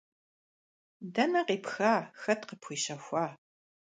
Дэнэ къипха, хэт къыпхуищэхуа?!